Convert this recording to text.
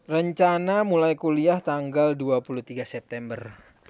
rencana mulai kuliah tanggal dua puluh tiga september